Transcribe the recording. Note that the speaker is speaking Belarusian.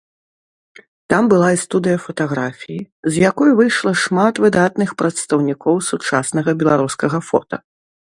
Там была і студыя фатаграфіі, з якой выйшла шмат выдатных прадстаўнікоў сучаснага беларускага фота.